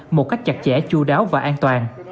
một cách chặt chẽ chú đáo và an toàn